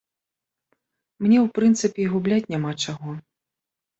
Мне, у прынцыпе, і губляць няма чаго.